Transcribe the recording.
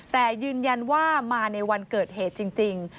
แต่ยืนยันว่ามาในวันเกิดเหตุจริง